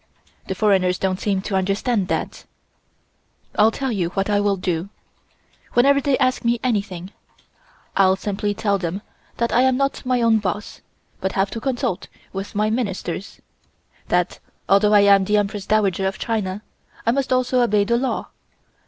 The foreigners don't seem to understand that. I'll tell you what I will do. Whenever they ask me anything, I'll simply tell them that I am not my own boss, but have to consult with my Ministers; that although I am the Empress Dowager of China, I must also obey the law.